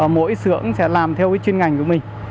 mỗi sưởng sẽ làm theo chuyên ngành của mình